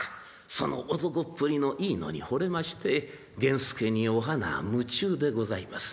その男っぷりのいいのにほれまして源助にお花は夢中でございます。